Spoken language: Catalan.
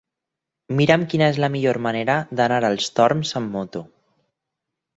Mira'm quina és la millor manera d'anar als Torms amb moto.